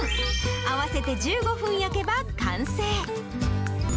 合わせて１５分焼けば完成。